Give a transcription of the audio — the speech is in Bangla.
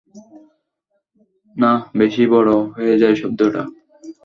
না, বেশি বড় হয়ে যায় শব্দটা।